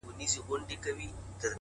د یوه نیکه اولاد بولي ځانونه!!